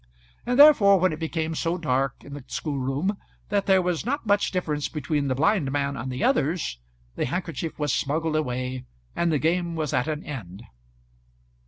And therefore when it became so dark in the schoolroom that there was not much difference between the blind man and the others, the handkerchief was smuggled away, and the game was at an end.